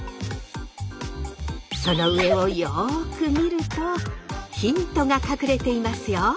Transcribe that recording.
その上をよく見るとヒントが隠れていますよ。